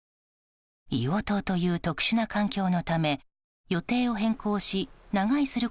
硫黄島という特殊な環境のため予定を変更し長居する